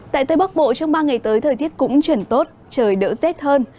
tại tây bắc bộ trong ba ngày tới thời tiết cũng chuyển tốt trời đỡ rét hơn